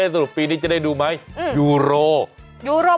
สรุปปีนี้จะได้ดูไหมยูโร